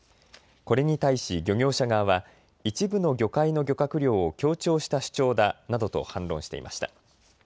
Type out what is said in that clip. これに対し漁業者側は一部の魚介の漁獲量を強調した主張だなどと反論していました。